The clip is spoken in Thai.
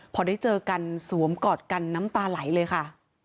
พอได้เจอกันสวมกอดกันน้ำตาไหลเลยค่ะ